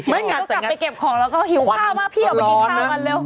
งั้นก็กลับไปเก็บของแล้วก็หิวข้าวมากพี่ออกไปกินข้าวมันเร็ว